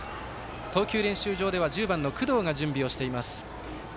投球練習場では１０番の工藤が準備をしています。